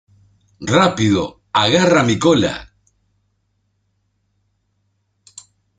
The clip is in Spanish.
¡ Rápido! ¡ agarra mi cola !